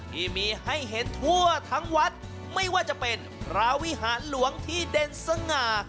ที่มีให้เห็นทั่วทั้งวัดไม่ว่าจะเป็นพระวิหารหลวงที่เด่นสง่า